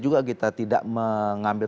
juga kita tidak mengambil